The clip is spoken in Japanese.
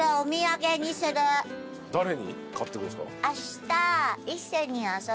誰に買っていくんですか？